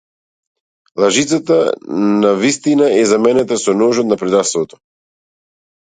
Лажицата на вистината е заменета со ножот на предавството!